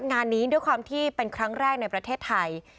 งานนี้ด้วยความที่เป็นครั้งแรกในประเทศไทย